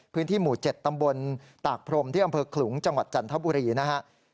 พื้นที่หมู่๗ตำบลตากพรมที่อำเภอขลุงจังหวัดจันทบุรีนะครับ